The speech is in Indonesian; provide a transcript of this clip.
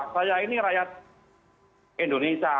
saya ini rakyat indonesia